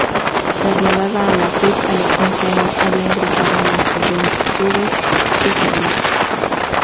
Trasladado a Madrid, a los quince años habría ingresado en las Juventudes Socialistas.